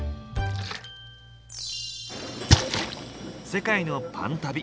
世界のパン旅